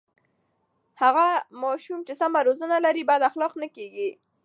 هغه ماشوم چې سمه روزنه لري بد اخلاقه نه کېږي.